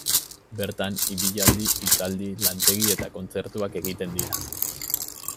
Bertan ibilaldi, hitzaldi, lantegi eta kontzertuak egiten dira.